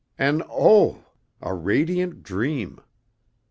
And oh! A radiant dream!